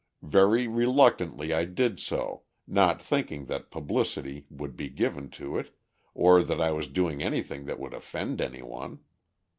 Very reluctantly I did so, not thinking that publicity would be given to it or that I was doing anything that would offend anyone.